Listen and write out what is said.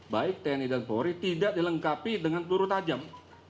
baik tni dan polri tidak dilengkapi dengan peluru tajam